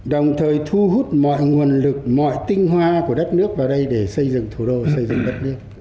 đồng thời thu hút mọi nguồn lực mọi tinh hoa của đất nước vào đây để xây dựng thủ đô xây dựng đất nước